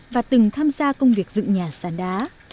và từng tham gia công việc dựng nhà sàn đá